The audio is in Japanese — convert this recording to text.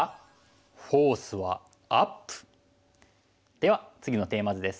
では次のテーマ図です。